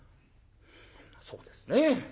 「そうですね。